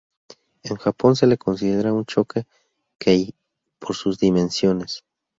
En Japón se le considera un coche "kei" por sus dimensiones.